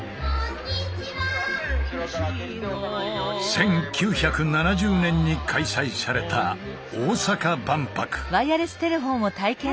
１９７０年に開催された大阪万博。